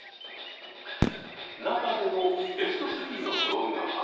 中でもベスト３の動画は？